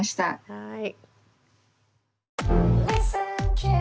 はい。